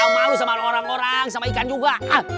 yang mau sama orang orang sama ikan juga